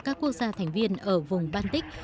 các quốc gia thành viên ở vùng baltic